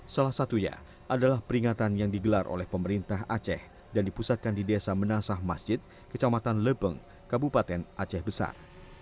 salah satunya adalah peringatan yang digelar oleh pemerintah aceh dan dipusatkan di desa menasah masjid kecamatan lepeng kabupaten aceh besar